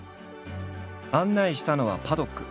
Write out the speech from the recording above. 案内したのはパドック。